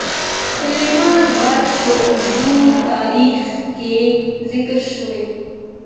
سلیمان غر په اوږده تاریخ کې ذکر شوی.